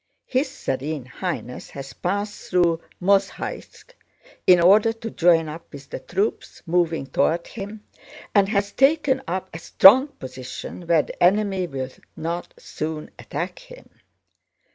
His Serene Highness has passed through Mozháysk in order to join up with the troops moving toward him and has taken up a strong position where the enemy will not soon attack him.